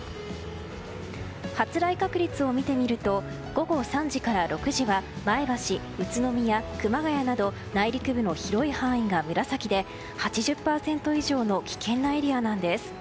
発雷確率を見てみると午後３時から６時は前橋、宇都宮、熊谷など内陸部の広い範囲が紫で８０％以上の危険なエリアなんです。